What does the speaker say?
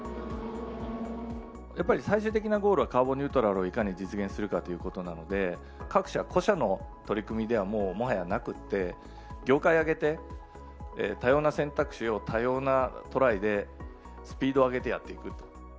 やっぱり最終的なゴールは、カーボンニュートラルをいかに実現するかということなので、各社、個社の取り組みでは、もうもはやなくって、業界挙げて、多様な選択肢を多様なトライでスピードを上げてやっていく。